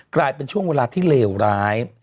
กลายเป็นช่วงเวลาที่เลวร้าย